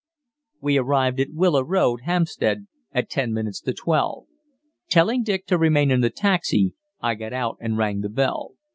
We arrived at Willow Road, Hampstead, at ten minutes to twelve. Telling Dick to remain in the taxi, I got out and rang the bell.